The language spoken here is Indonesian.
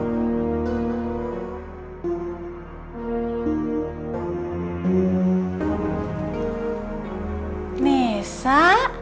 ini beneran nisa